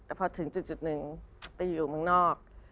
แต่พอถึงจุดหนึ่งไปอยู่เมืองนอก